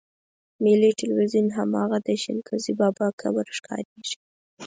ملي ټلویزیون هماغه د شل ګزي بابا قبر ښکارېږي.